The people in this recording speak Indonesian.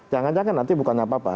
jangan jangan nanti bukannya apa apa